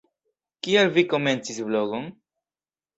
Kial vi komencis blogon?